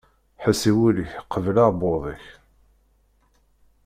Ḥess i wul-ik qbel aεebbuḍ-ik.